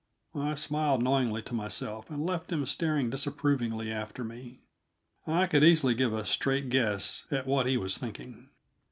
I smiled knowingly to myself and left him staring disapprovingly after me. I could easily give a straight guess at what he was thinking.